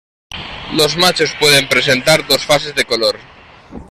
Los machos pueden presentar dos fases de color.